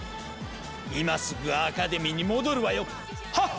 今すぐアカデミーに戻るわよ！はっ！